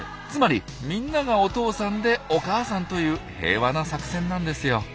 つまりみんながお父さんでお母さんという平和な作戦なんですよ。